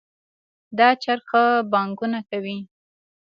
دا چرګ ښه بانګونه کوي